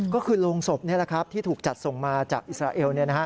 ก็คือโรงศพนี่แหละครับที่ถูกจัดส่งมาจากอิสราเอล